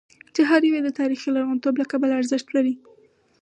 چې هر یو یې د تاریخي لرغونتوب له کبله ارزښت لري.